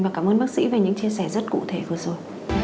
và cảm ơn bác sĩ về những chia sẻ rất cụ thể vừa rồi